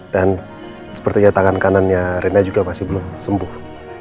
dan sepertinya tangan kanannya rena juga masih belum sembuh